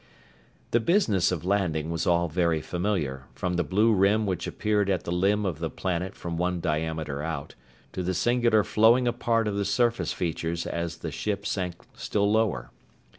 The business of landing was all very familiar, from the blue rim which appeared at the limb of the planet from one diameter out, to the singular flowing apart of the surface features as the ship sank still lower.